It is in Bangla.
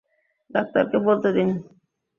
ডাক্তারকে বলতে দিন।